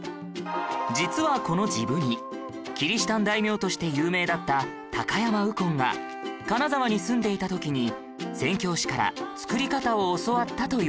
実はこの治部煮キリシタン大名として有名だった高山右近が金沢に住んでいた時に宣教師から作り方を教わったといわれています